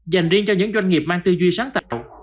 dành riêng cho những doanh nghiệp mang tư duy sáng tạo